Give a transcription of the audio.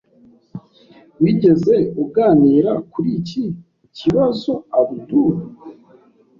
Wigeze uganira kuri iki kibazoAbdul?